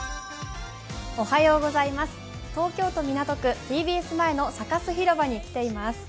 東京都港区、ＴＢＳ前のサカス広場に来ています。